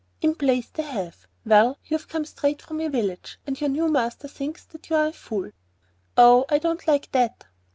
"In plays they have. Well, you've come straight from your village and your new master thinks that you're a fool." "Oh, I don't like that!"